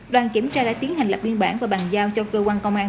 đoàn kiểm tra đã tiến hành lập biên bản và bàn giao cho cơ quan công an